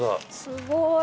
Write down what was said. すごい！